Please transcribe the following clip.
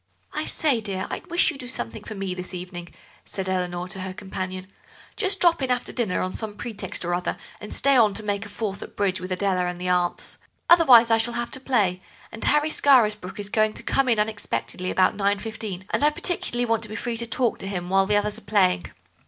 "I say, dear, I wish you'd do something for me this evening," said Eleanor to her companion; "just drop in after dinner on some pretext or other, and stay on to make a fourth at bridge with Adela and the aunts. Otherwise I shall have to play, and Harry Scarisbrooke is going to come in unexpectedly about nine fifteen, and I particularly want to be free to talk to him while the others are playing."